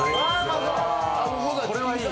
・これはいい！